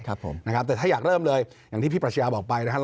ครับผมนะครับแต่ถ้าอยากเริ่มเลยอย่างที่พี่ปรัชญาบอกไปนะครับ